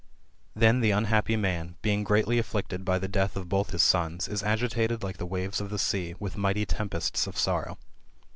Then the unhappy man, being greatly afflicted by the death of both his sons, is agitated like the waves of the sea, with mighty tempests of sorrow.